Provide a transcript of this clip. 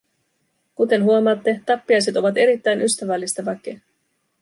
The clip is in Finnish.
Kuten huomaatte, tappiaiset ovat erittäin ystävällistä väkeä.